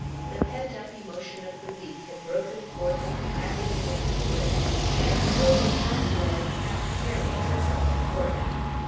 The pent up emotion of the week had broken forth in an agony of tears; and so they half led, half carried her from the court.